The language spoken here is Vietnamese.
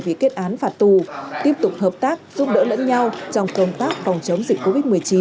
bị kết án phạt tù tiếp tục hợp tác giúp đỡ lẫn nhau trong công tác phòng chống dịch covid một mươi chín